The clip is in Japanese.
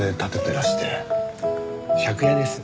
借家です。